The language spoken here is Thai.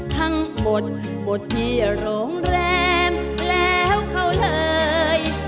ทั้งหมดหมดที่โรงแรมแล้วเขาเลย